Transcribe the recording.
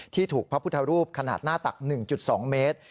ถูกพระพุทธรูปขนาดหน้าตัก๑๒เมตร